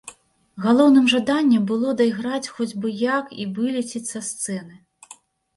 Галоўным жаданнем было дайграць хоць бы як і вылецець са сцэны.